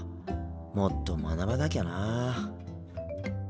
もっと学ばなきゃな。